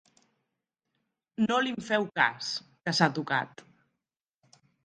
No li'n feu cas, que s'ha tocat.